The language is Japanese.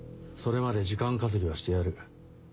それまで時間稼ぎはしてやる。